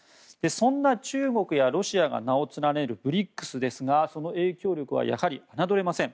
そんな中国やロシアが名を連ねるＢＲＩＣＳですがその影響力はやはり侮れません。